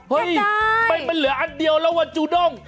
เห้ยมันเหลืออันเดียวแล้วว่าจูด้ง